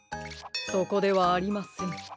そこではありません。